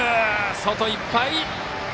外いっぱい！